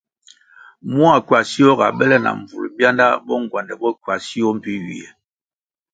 Mua ckywasio ga bèle na mbvul bianda bo ngwandè bo ckywasio mbpi ywie.